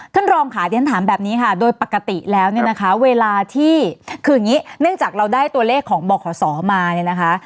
ท่านรองค่ะที่ฉันถามแบบนี้ค่ะโดยปกติแล้วเนี่ยนะคะเวลาที่คืออย่างนี้เนื่องจากเราได้ตัวเลขของบขศมาเนี่ยนะคะ